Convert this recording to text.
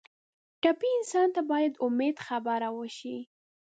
ټپي انسان ته باید د امید خبره وشي.